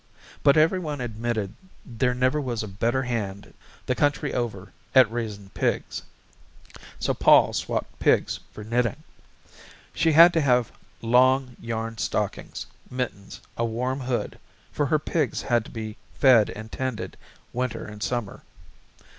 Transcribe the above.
But everyone admitted there never was a better hand the country over at raising pigs. So Pol swapped pigs for knitting. She had to have long yarn stockings, mittens, a warm hood, for her pigs had to be fed and tended winter and summer.